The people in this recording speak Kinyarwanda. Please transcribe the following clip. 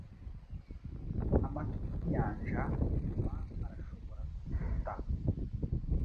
Amatwi yinyanja nyuma arashobora kuyita